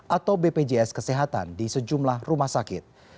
atau bpjs kesehatan di sejumlah rumah sakit